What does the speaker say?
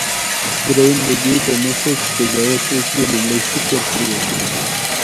دریم: ددې دمخه چي قضاوت وکړې، لومړی فکر پر وکړه.